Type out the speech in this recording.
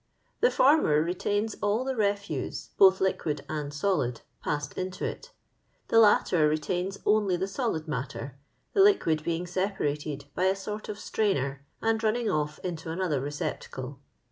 The former retains all the refuse, botli liquid and solid, passed into it ; tho latter retains only the solid matter, the liquid being separated by a sort of strainer, and runnuig ofi' into anotlier receptacle.